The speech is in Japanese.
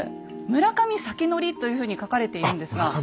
「村上先乗」というふうに書かれているんですが。